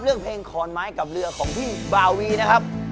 เรื่องเพลงขอนไม้กับเรือของพี่บาวีนะครับ